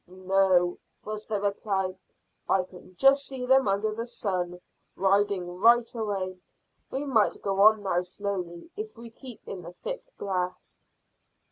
"No," was the reply. "I can just see them under the sun, riding right away. We might go on now slowly if we keep in the thick grass."